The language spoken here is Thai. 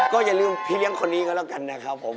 ก็อย่าลืมพี่เลี้ยงคนนี้ก็แล้วกันนะครับผม